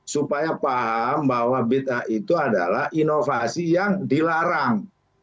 supaya paham bahwa bid'ah itu adalah inovasi yang dilarang